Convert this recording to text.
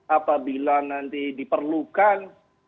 apabila nanti diperlukan